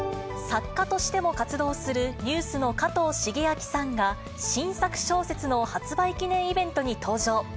作家としても活動するＮＥＷＳの加藤シゲアキさんが、新作小説の発売記念イベントに登場。